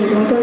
nói tiền thôi